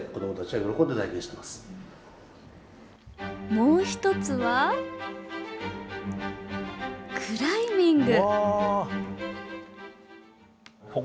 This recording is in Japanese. もう１つは、クライミング。